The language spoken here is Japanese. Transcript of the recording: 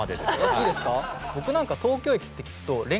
いいですか。